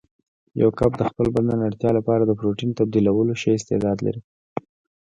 یو کب د خپل بدن اړتیا لپاره د پروتین تبدیلولو ښه استعداد لري.